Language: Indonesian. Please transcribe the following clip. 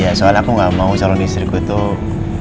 ya soal aku gak mau calon istriku tuh